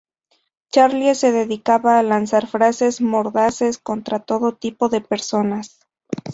Charlie se dedicaba a lanzar frases mordaces contra todo tipo de personas.